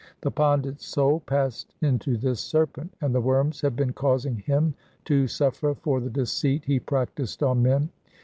The pandit's soul passed into this serpent, and the worms have been causing him to suffer for the deceit he practised on men.